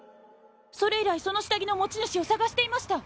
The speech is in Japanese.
それ以来その下着の持ち主を捜していました。